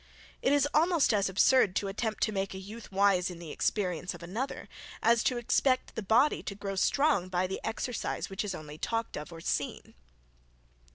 It is almost as absurd to attempt to make a youth wise by the experience of another, as to expect the body to grow strong by the exercise which is only talked of, or seen.